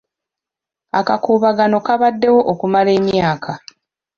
Akakuubagano kabaddewo okumala emyaka.